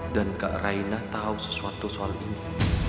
dan kak raina tau sesuatu soal ini